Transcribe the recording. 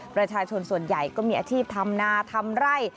ประชาชนส่วนใหญ่ก็มีอาชีพทำนาทำไร่